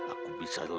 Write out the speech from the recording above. aku bisa lakukan